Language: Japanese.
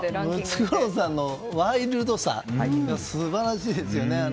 ムツゴロウさんのワイルドさは素晴らしいですよね。